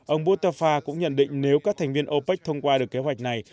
ông botafa cũng nhận định nếu các thành viên opec thông qua được kế hoạch này